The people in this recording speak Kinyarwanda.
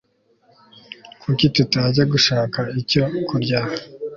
kuki tutajya gushaka icyo kurya